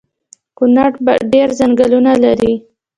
کونړ ډیر ځنګلونه لري